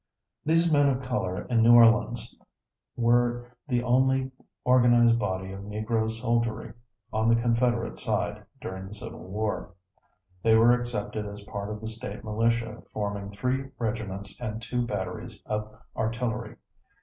These men of color in New Orleans were the only organized body of Negro soldiery on the Confederate side during the Civil War. They were accepted as part of the State militia forming three regiments and two batteries of artillery.